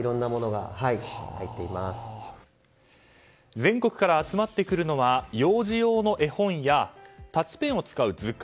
全国から集まってくるのは幼児用の絵本やタッチペンを使う図鑑